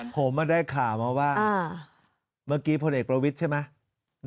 ผมได้ข่าวมาว่าเมื่อกี้พลเอกประวิทย์ใช่ไหม